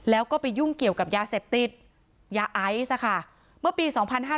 แล้วก็ไปยุ่งเกี่ยวกับยาเสพติดยาไอซ์เมื่อปี๒๕๕๙